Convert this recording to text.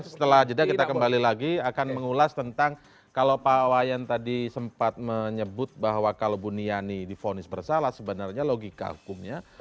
setelah jeda kita kembali lagi akan mengulas tentang kalau pak wayan tadi sempat menyebut bahwa kalau buniani difonis bersalah sebenarnya logika hukumnya